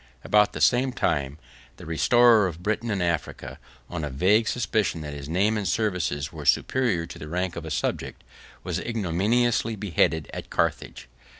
About the same time, the restorer of Britain and Africa, on a vague suspicion that his name and services were superior to the rank of a subject, was ignominiously beheaded at Carthage.